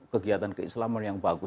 kegiatan keislaman yang bagus